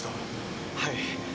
はい。